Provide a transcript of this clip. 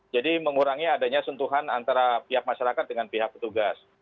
mengurangi adanya sentuhan antara pihak masyarakat dengan pihak petugas